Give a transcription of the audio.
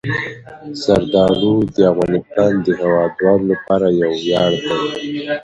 زردالو د افغانستان د هیوادوالو لپاره یو ویاړ دی.